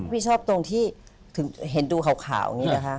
พี่ชอบตรงที่เห็นดูขาวอย่างนี้นะคะ